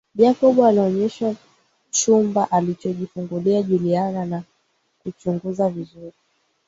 Jacob alioneshwa chumba alichojifungulia Juliana na kuchunguza vizuri